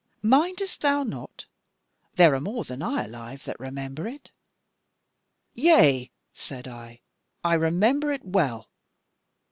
Mindest thou not? There are more than I alive that remember it.' "'Yea,' said I, 'I remember it well.'